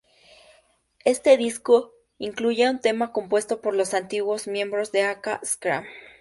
Este disco incluía un tema compuesto por los antiguos miembros de Aqua, "Scream".